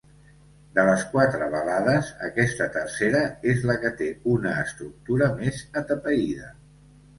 De les quatre balades, aquesta tercera és la que té una estructura més atapeïda.